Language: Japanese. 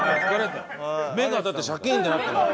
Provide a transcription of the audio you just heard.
目がだってシャキンってなってる。